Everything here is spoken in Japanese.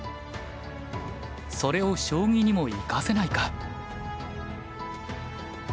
それを将棋にも生かせないか。